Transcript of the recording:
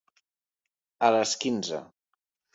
A les quinze.